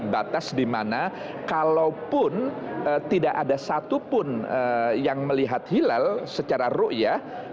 batas di mana kalaupun tidak ada satupun yang melihat hilal secara ruiah